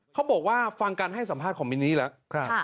เขาบอกว่าฟังการให้สัมภาษณ์ของมินนี่แล้ว